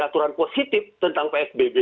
aturan positif tentang psbb